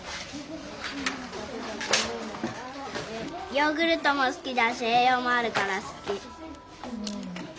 ヨーグルトも好きだし栄養もあるから好き。